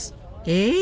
え！